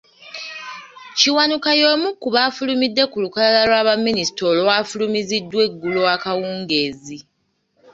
Kiwanuka y’omu ku bafulumidde ku lukalala lwa baminisita olwafulumiziddwa eggulo akawungeezi.